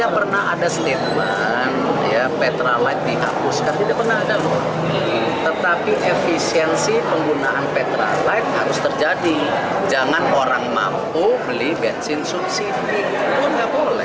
berita terkini mengenai penyelesaian bbm dan bbm